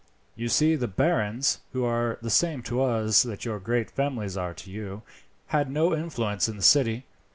You see, the barons, who are the same to us that your great families are to you, had no influence in the city.